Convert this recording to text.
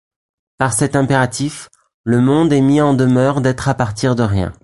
Par cet impératif, le monde est mis en demeure d'être à partir de rien.